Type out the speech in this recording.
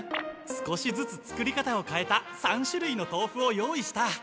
少しずつ作り方をかえた３しゅるいのとうふを用意した。